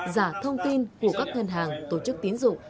giả thông tin của các ngân hàng tổ chức tiến dụng